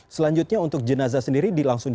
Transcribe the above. selanjutnya untuk jenazah sendiri dilangsungkan